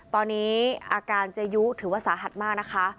ตอนนี้อาการเจยุถือว่าสาหัสมากนะคะ